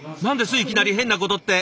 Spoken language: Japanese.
いきなり変なことって。